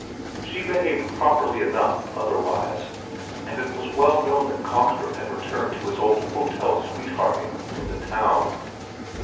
She behaved properly enough otherwise, and it was well known that Kongstrup had returned to his old hotel sweethearting in the town.